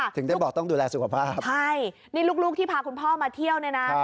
ถึงได้บอกต้องดูแลสุขภาพใช่นี่ลูกที่พาคุณพ่อมาเที่ยวเนี่ยนะ